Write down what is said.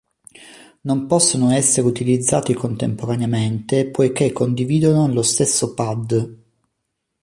Non possono essere utilizzati contemporaneamente poiché condividono lo stesso pad.